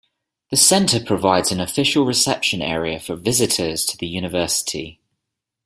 The center provides an official reception area for visitors to the university.